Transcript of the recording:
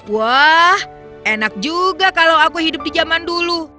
wah enak juga kalau aku hidup di zaman dulu